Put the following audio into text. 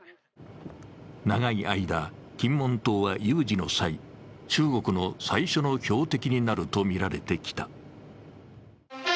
長い間、金門島は有事の際、中国の最初の標的になるとみられてきた。